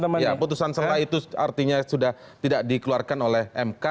ketika sekarang putusan selah itu artinya sudah tidak dikeluarkan oleh mk